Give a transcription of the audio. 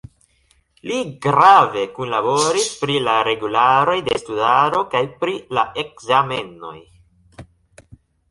Li grave kunlaboris pri la regularoj de studado kaj pri la ekzamenoj.